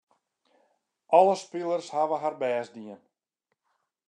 Alle spilers hawwe har bêst dien.